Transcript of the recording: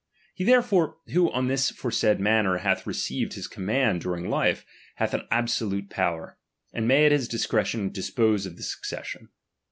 He "*^Tierefore, who on this foresaid manner hath re ^^^^ eived his command during life, hath an absolute "l^iBower, and may at his discretion dispose of the ^^uccession.